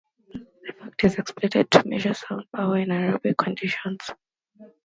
This fact is exploited to measure sound power in anechoic conditions.